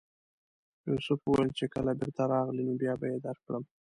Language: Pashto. یوسف وویل چې کله بېرته راغلې نو بیا به یې درکړم.